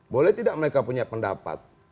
boleh tidak mereka punya pendapat